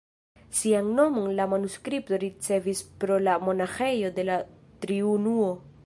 Sian nomon la manuskripto ricevis pro la monaĥejo de la Triunuo.